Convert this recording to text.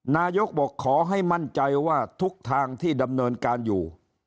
นายกบอกขอให้มั่นใจว่าทุกทางที่ดำเนินการอยู่